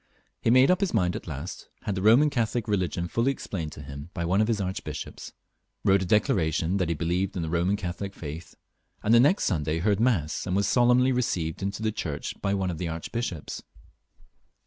He made up his mind at last; had the Boman Catholic religion fuUy explained to him by one of his archbishops, wrote a declaration that he believed in the Boman Catholic faith, and the next Sunday heard mass, and was solemnly received into the church by one of his archbishops.